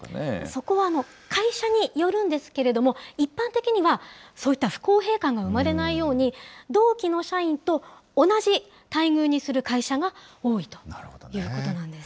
そこは会社によるんですけれども、一般的には、そういった不公平感が生れないように、同期の社員と同じ待遇にする会社が多いということなんです。